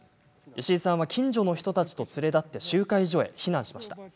石井さんは近所の人たちと連れ立って集会所へ避難しました。